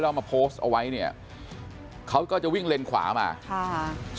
เอามาโพสต์เอาไว้เนี่ยเขาก็จะวิ่งเลนขวามาค่ะ